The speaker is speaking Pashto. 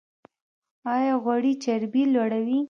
ایا غوړي چربي لوړوي؟